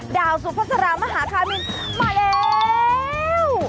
ดาวสุพศรามหาคามินมาแล้ว